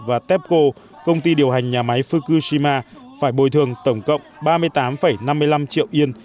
và tepco công ty điều hành nhà máy fukushima phải bồi thường tổng cộng ba mươi tám năm mươi năm triệu yên